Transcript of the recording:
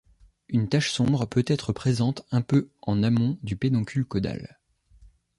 Une tache sombre peut être présente un peu en amont du pédoncule caudal.